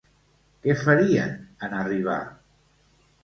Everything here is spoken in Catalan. Què farien en arribar?